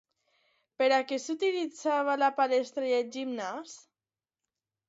Per a què s'utilitzava la palestra i el gimnàs?